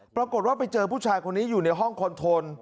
ปรากฏว่าไปเจอผู้ชายคนนี้อยู่ในห้องคอนโทน